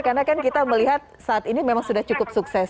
karena kan kita melihat saat ini memang sudah cukup sukses